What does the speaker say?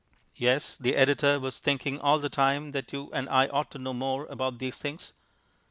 Yes, the editor was thinking all the time that you and I ought to know more about these things.